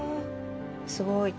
すごい。